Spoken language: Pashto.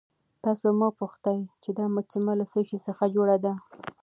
تاسو مه پوښتئ چې دا مجسمه له څه شي څخه جوړه ده.